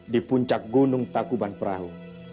di puncak gunung takuban perahu